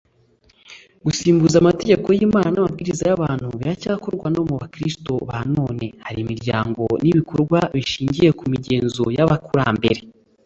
gusimbuza amategeko y’imana amabwiriza y’abantu biracyakorwa no mu bakristo ba none hari imihango n’ibikorwa bishingiye ku migenzo y’abakurambere